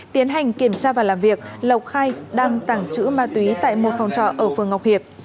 tiến hành kiểm tra và làm việc lộc khai đăng tảng trữ ma tí tại một phòng trọ ở phường ngọc hiệp